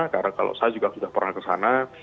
karena kalau saya juga sudah pernah kesana